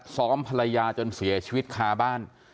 ซ้อมภรรยาจนเสียชีวิตคาบ้าน